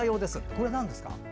これなんですか？